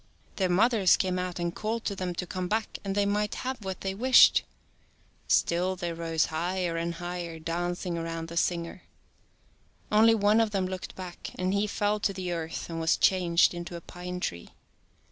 82 Their mothers came out and called to them to come back and they might have what they wished. Still they rose higher and higher, dancing around the singer. Only one of them looked back and he fell to the earth and was changed into a pine tree.